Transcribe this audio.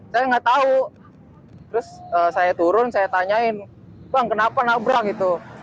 saya nggak tahu terus saya turun saya tanyain bang kenapa nabrak gitu